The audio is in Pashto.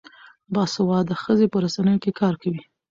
باسواده ښځې په رسنیو کې کار کوي.